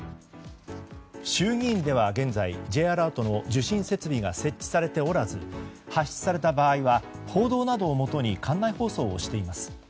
衆議院では現在Ｊアラートの受信設備が設置されておらず発出された場合は報道などをもとに館内放送をしています。